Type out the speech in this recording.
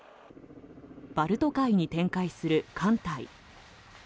バルト海に展開する艦隊。